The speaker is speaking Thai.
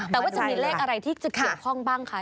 แต่ว่าจะมีเลขอะไรที่จะเกี่ยวข้องบ้างคะ